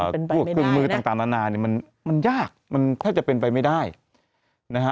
เป็นพวกเครื่องมือต่างนานาเนี่ยมันมันยากมันแทบจะเป็นไปไม่ได้นะฮะ